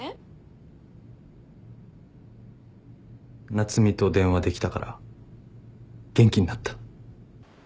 夏海と電話できたから元気になった。